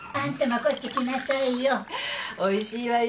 おいしいわよ